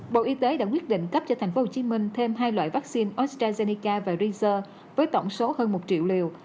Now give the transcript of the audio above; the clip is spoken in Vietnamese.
bộ y tế đã quyết định cấp cho thành phố hồ chí minh thêm hai loại vaccine ostrazeneca và razer với tổng số hơn một triệu liều